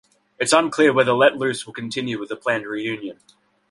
It's unclear whether Let Loose will continue with the planned reunion.